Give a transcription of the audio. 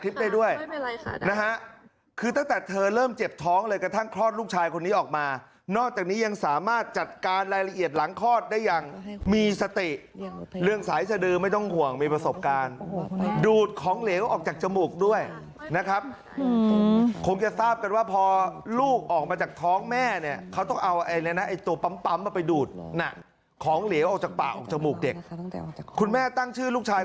เธอมีคลอดเองบนรถครับและถ่ายคลิปได้ด้วย